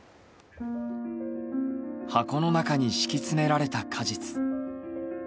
箱の中に敷き詰められた果実。